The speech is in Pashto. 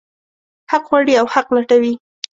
حق غواړي او حق لټوي.